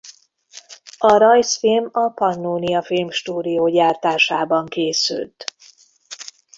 A rajzfilm a Pannónia Filmstúdió gyártásában készült.